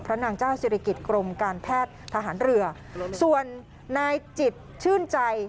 นางเจ้าศิริกิจกรมการแพทย์ทหารเรือส่วนนายจิตชื่นใจ